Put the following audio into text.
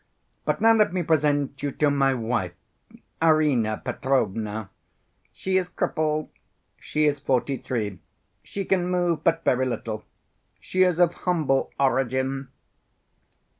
But now let me present you to my wife, Arina Petrovna. She is crippled, she is forty‐ three; she can move, but very little. She is of humble origin.